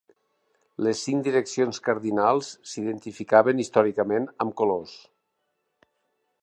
Les cinc direccions cardinals s'identificaven històricament amb colors.